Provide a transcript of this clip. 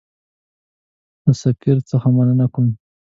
د سفیر څخه مننه کوم.